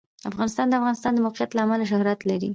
افغانستان د د افغانستان د موقعیت له امله شهرت لري.